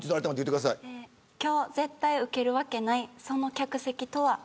今日、絶対ウケるわけないその客席とは。